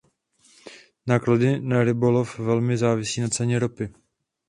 Náklady na rybolov velmi závisejí na ceně ropy.